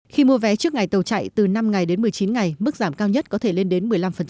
khi mua vé trước ngày tàu chạy từ năm ngày đến một mươi chín ngày mức giảm cao nhất có thể lên đến một mươi năm